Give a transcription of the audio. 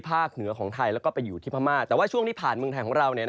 เหนือของไทยแล้วก็ไปอยู่ที่พม่าแต่ว่าช่วงที่ผ่านเมืองไทยของเรา